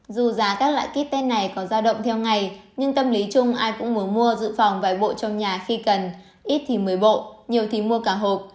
dù giá các loại kit ten này có giao động theo ngày nhưng tâm lý chung ai cũng muốn mua dự phòng vài bộ trong nhà khi cần ít thì mới bộ nhiều thì mua cả hộp